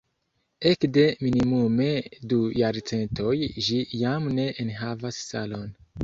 Ekde minimume du jarcentoj ĝi jam ne enhavas salon.